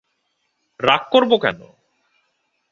রাগ করবো কেন।